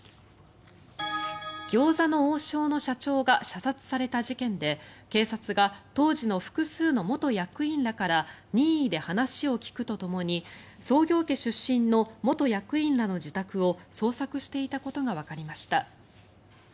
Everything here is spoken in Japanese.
餃子の王将の社長が射殺された事件で警察が当時の複数の元役員らから任意で話を聞くとともに創業家出身の元役員らの自宅を捜索していたことがわかりました。